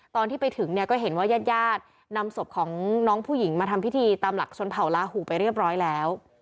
ตอนที่ไปถึงเนี่ยก็เห็นว่าญาติญาตินำศพของน้องผู้หญิงมาทำพิธีตามหลักชนเผาลาหูไปเรียบร้อยแล้ว